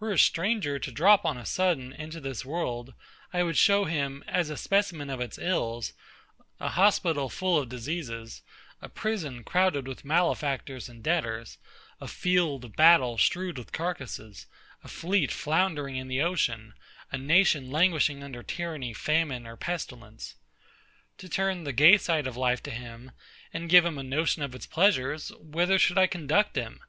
Were a stranger to drop on a sudden into this world, I would show him, as a specimen of its ills, a hospital full of diseases, a prison crowded with malefactors and debtors, a field of battle strewed with carcasses, a fleet foundering in the ocean, a nation languishing under tyranny, famine, or pestilence. To turn the gay side of life to him, and give him a notion of its pleasures; whither should I conduct him?